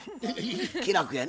気楽やね